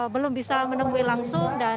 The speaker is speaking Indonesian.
belum bisa menemui langsung dan